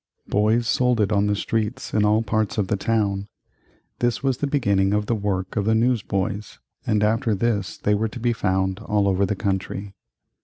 Boys sold it on the streets in all parts of the town. This was the beginning of the work of the news boys, and after this they were to be found all over the country.